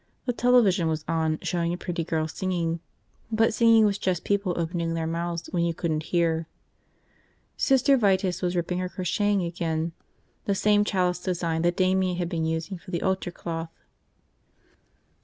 The television was on, showing a pretty girl singing, but singing was just people opening their mouths when you couldn't hear. Sister Vitus was ripping her crocheting again, the same chalice design that Damian had been using for the altar cloth.